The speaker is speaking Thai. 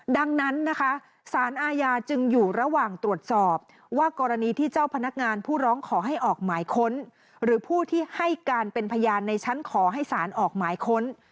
ดังนั้นนะคะสารอาญาจึงอยู่ระหว่างตรวจสอบว่ากรณีที่เจ้าพนักงานผู้ร้องขอให้ออกหมายค้นหรือผู้ที่ให้การเป็นพยานในชั้นขอให้สารออกหมายค้น